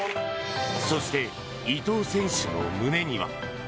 そして、伊藤選手の胸には。